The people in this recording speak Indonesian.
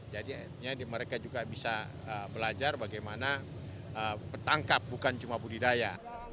jadi akhirnya mereka juga bisa belajar bagaimana bertangkap bukan cuma budidaya